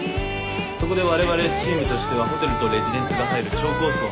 そこでわれわれチームとしてはホテルとレジデンスが入る超高層のツインタワー